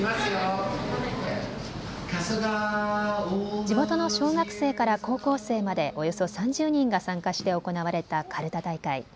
地元の小学生から高校生までおよそ３０人が参加して行われたかるた大会。